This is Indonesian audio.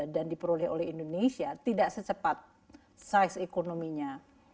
dan diperoleh oleh indonesia tidak secepat size ekonominya